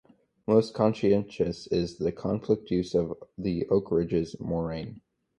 Most contentious is the conflict use of the Oak Ridges Moraine.